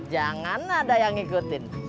jangan ada yang ngikutin